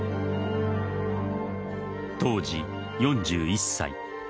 当時４１歳。